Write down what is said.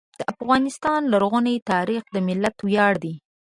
د افغانستان لرغونی تاریخ د ملت ویاړ دی.